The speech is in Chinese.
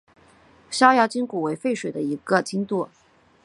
逍遥津古为淝水上的一个津渡。